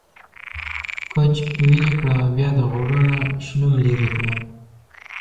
کوچ ويلي کړه او بيا د غوړو نه شلوم ليرې کړه۔